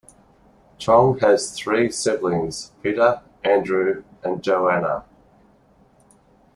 Chong has three siblings; Peter, Andrew and Joanna.